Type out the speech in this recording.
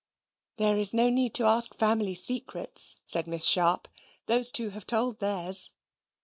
"There is no need to ask family secrets," said Miss Sharp. "Those two have told theirs."